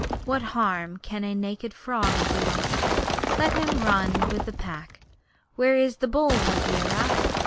What harm can a naked frog do us? Let him run with the Pack. Where is the bull, Bagheera?